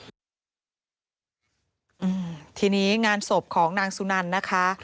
อืมทีนี้งานศพของนางสุนันนะคะ